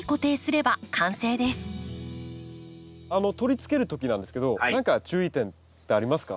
取り付ける時なんですけど何か注意点ってありますか？